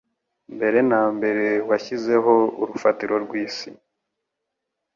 mbere nambera washyizeho urufatiro rw'isi